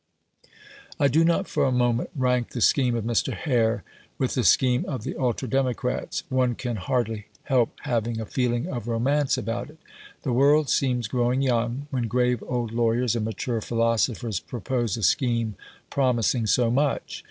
I do not for a moment rank the scheme of Mr. Hare with the scheme of the ultra democrats. One can hardly help having a feeling of romance about it. The world seems growing young when grave old lawyers and mature philosophers propose a scheme promising so much.